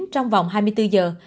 trong vòng hai mươi bốn giờ